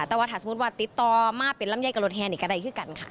แต่ว่าถ้าสมมุติว่าติดต่อมาเป็นลำไยกับรถแห่นี่ก็ได้คือกันค่ะ